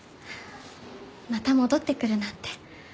また戻ってくるなんて。